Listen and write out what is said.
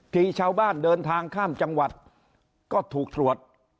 ชาวบ้านเดินทางข้ามจังหวัดก็ถูกตรวจ